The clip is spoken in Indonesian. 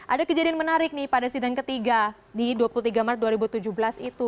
ada kejadian menarik nih pada sidang ketiga di dua puluh tiga maret dua ribu tujuh belas itu